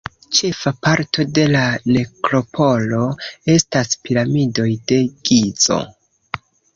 Ĉefa parto de la nekropolo estas Piramidoj de Gizo.